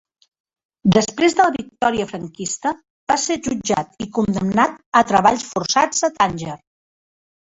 Després de la victòria franquista va ser jutjat i condemnat a treballs forçats a Tànger.